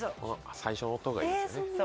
最初の音がいいんだよね。